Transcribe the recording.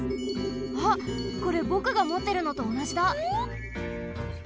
あっこれぼくがもってるのとおなじだ。